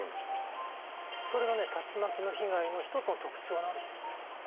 それがね竜巻の被害の一つの特徴なんですね。